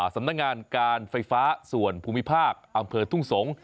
สำนักงานการไฟฟ้าส่วนภูมิภาคอำเภอทุ่งสงศ์